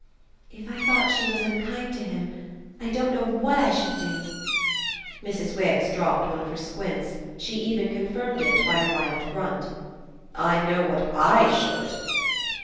"If I thought she was unkind to him I don't know WHAT I should do!" Mrs. Wix dropped one of her squints; she even confirmed it by a wild grunt. "I know what I should!"